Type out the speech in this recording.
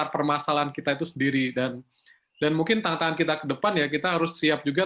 permasalahan kita itu sendiri dan dan mungkin tantangan kita ke depan ya kita harus siap juga